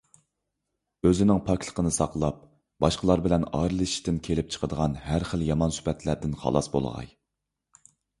ئۆزىنىڭ پاكلىقىنى ساقلاپ، باشقىلار بىلەن ئارىلىشىشتىن كېلىپ چىقىدىغان ھەر خىل يامان سۈپەتلەردىن خالاس بولغاي.